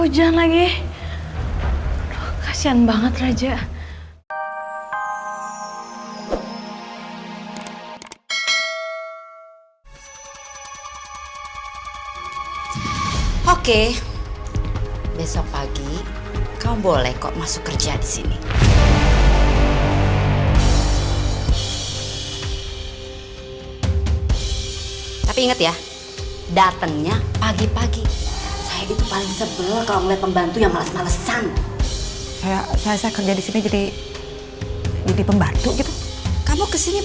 jangan lupa like share dan subscribe channel ini